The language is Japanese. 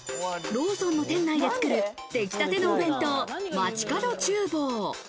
ローソンの店内で作る、できたてのお弁当、まちかど厨房。